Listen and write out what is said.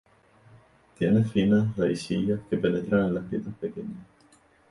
Tiene finas raicillas que penetran en las grietas pequeñas.